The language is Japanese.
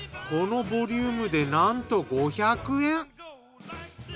このボリュームでなんと５００円！